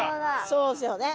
そうですよね。